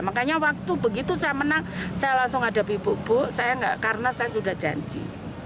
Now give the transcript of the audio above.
makanya waktu begitu saya menang saya langsung hadapi buku buku karena saya sudah janji